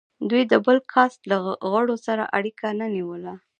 دوی د بل کاسټ له غړو سره اړیکه نه نیوله.